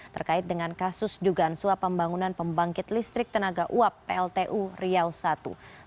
terkait dengan kasus dugaan suap pembangunan pembangkit listrik tenaga uap pltu riau i